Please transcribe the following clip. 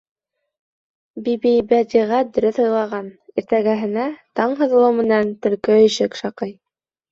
Бибибәдиғә дөрөҫ уйлаған, иртәгәһенә таң һыҙылыу менән, төлкө ишек шаҡый.